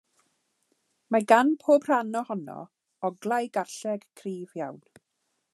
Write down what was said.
Mae gan bob rhan ohono oglau garlleg cryf iawn.